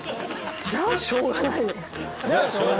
「“じゃしょうがないよ”？」